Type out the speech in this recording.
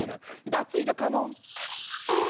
ダツイージョカモン！